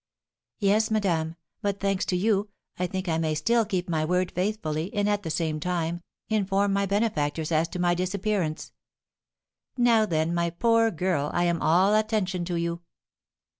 "Yes, madame; but, thanks to you, I think I may still keep my word faithfully, and, at the same time, inform my benefactors as to my disappearance." "Now, then, my poor girl, I am all attention to you."